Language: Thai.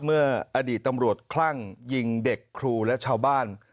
เมื่ออดีตตำรวจคลั่งยิงเด็กครูและชาวบ้าน